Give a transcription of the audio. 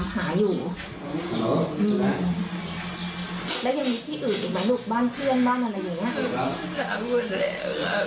หาอยู่แล้วยังมีที่อื่นอีกไหมลูกบ้านเพื่อนบ้านอะไรอย่างเงี้ย